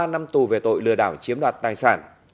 ba năm tù về tội lừa đảo chiếm đoạt tài sản